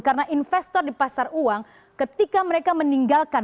karena investor di pasar uang ketika mereka meninggalkan